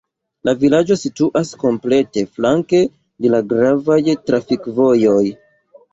La vilaĝo situas komplete flanke de la gravaj trafikvojoj.